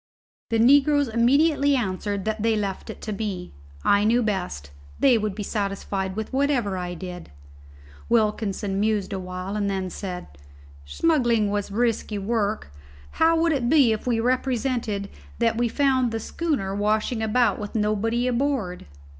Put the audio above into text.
The negroes immediately answered that they left it to me; I knew best; they would be satisfied with whatever I did. Wilkinson mused a while and then said, "Smuggling was risky work. How would it be if we represented that we had found the schooner washing about with nobody aboard?"